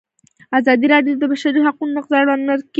ازادي راډیو د د بشري حقونو نقض اړوند مرکې کړي.